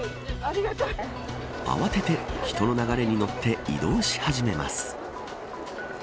慌てて、人の流れに乗って移動し始めます。